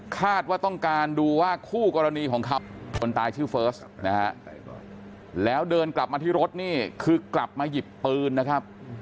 คาดว่าต้องการดูว่าคู่กรณีของขับคนตายชื่อเฟิร์สนะฮะแล้วเดินกลับมาที่รถนี่คือกลับมาหยิบปืนนะครับ